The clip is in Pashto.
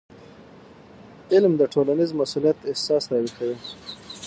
علم د ټولنیز مسؤلیت احساس راویښوي.